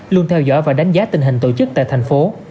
luôn theo dõi và đánh giá tình hình tổ chức tại thành phố